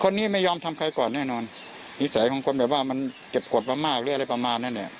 ไม่ยอมทำใครก่อนแน่นอนนิสัยของคนแบบว่ามันเจ็บกฎมามากหรืออะไรประมาณนั้นเนี่ย